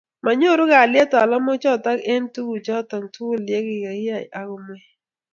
manyoru kalyet talamoichoto eng tuguchoto tugul kikiyai ak komwei